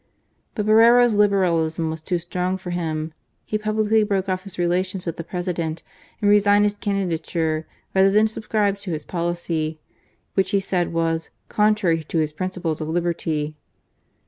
But Borrero's Liberalism was too strong for him. He publicly broke off his relations with the President and resigned his candidature rather than subscribe to his policy, which he said was "contrary to his principles of liberty."